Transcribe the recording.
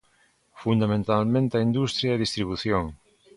Fundamentalmente a industria e distribución.